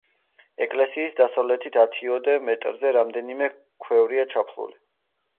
ეკლესიის დასავლეთით ათიოდე მეტრზე რამდენიმე ქვევრია ჩაფლული.